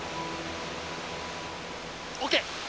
ＯＫ！